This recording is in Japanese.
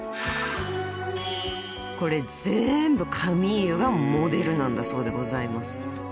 ［これ全部カミーユがモデルなんだそうでございます］